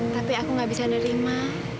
tapi aku gak bisa nerima